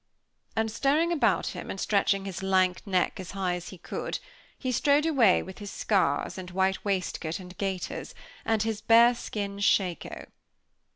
And staring about him, and stretching his lank neck as high as he could, he strode away with his scars, and white waistcoat and gaiters, and his bearskin shako.